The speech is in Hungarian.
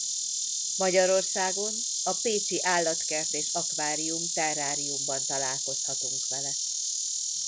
Magyarországon a Pécsi Állatkert és Akvárium-Terráriumban találkozhatunk vele.